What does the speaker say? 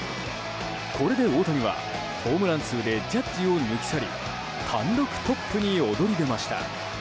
これで大谷は、ホームラン数でジャッジを抜き去り単独トップに躍り出ました。